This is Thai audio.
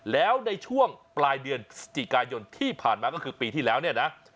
แล้วในช่วงปลายเดือนพฤศจิกายนที่ผ่านมาก็คือปีที่แล้วเนี่ยนะ